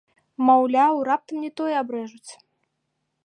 Маўляў, раптам не тое абрэжуць.